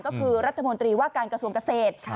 ก็คือรัฐมนตรีว่าการกระทรวงเกษตร